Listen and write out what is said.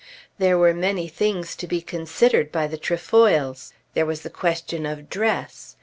There were many things to be considered by the Trefoils. There was the question of dress.